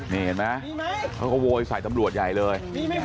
นี่เห็นไหมเขาก็โวยใส่ตำรวจใหญ่เลย